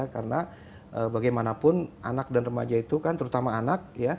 karena bagaimanapun anak dan remaja itu kan terutama anak